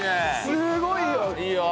すごいよ！